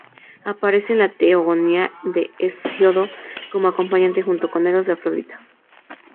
Aparece en la "Teogonía" de Hesíodo como acompañante, junto con Eros, de Afrodita.